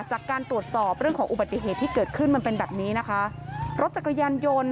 จากการตรวจสอบเรื่องของอุบัติเหตุที่เกิดขึ้นมันเป็นแบบนี้นะคะรถจักรยานยนต์